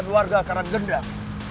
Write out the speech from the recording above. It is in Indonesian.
dan warga karanggendar